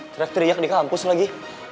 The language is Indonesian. teriak teriak di kampus lagi